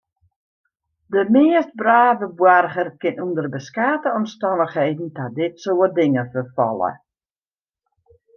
De meast brave boarger kin ûnder beskate omstannichheden ta dit soart dingen ferfalle.